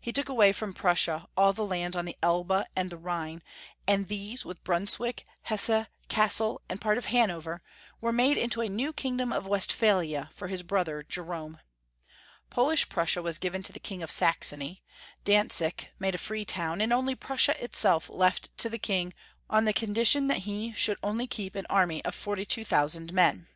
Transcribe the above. He took away from Prussia all the lands on the Elbe and the Rhine, and these, with Brunswick, Hesse, Cassel, and part of Hanover, were made into a new kingdom of Westphalia for his brother Jerome. Polish Prussia 443 444 Young Folka^ History of Germany. was given to the King of Saxony, Dantzic made a free town, and only Prussia itself left to the King on condition that he should only keep an army of 42,000 men.